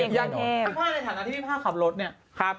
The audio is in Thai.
ถ้าผ้าในฐานะที่พ่อขับรถเนี่ย